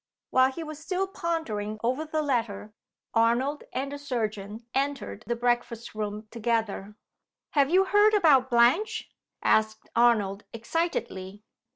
While he was still pondering over the letter, Arnold and the surgeon entered the breakfast room together. "Have you heard about Blanche?" asked Arnold, excitedly.